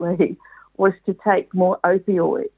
adalah untuk mengambil lebih banyak opioid